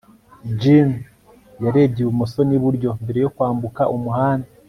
jim yarebye ibumoso n'iburyo mbere yo kwambuka umuhanda